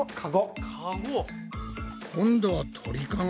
今度は鳥かご？